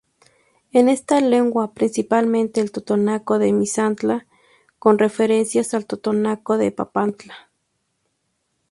En esta lengua principalmente el totonaco de Misantla con referencias al totonaco de Papantla.